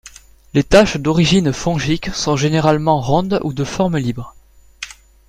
Les taches d'origine fongiques sont généralement rondes ou de forme libre.